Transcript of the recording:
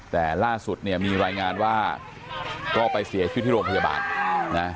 แต่ล่าสุดเนี่ยมีรายงานว่าก็ไปเสียชีวิตที่โรงพยาบาลนะ